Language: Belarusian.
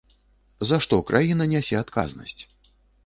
За што краіна нясе адказнасць?